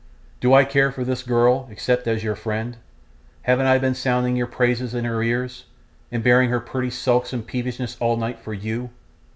Do I care for this girl, except as your friend? Haven't I been sounding your praises in her ears, and bearing her pretty sulks and peevishness all night for you?